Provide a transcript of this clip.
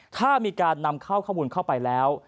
ถ้ามีการนำเข้าข้อมูลเข้าไปแล้ว